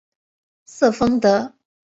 瑟丰德。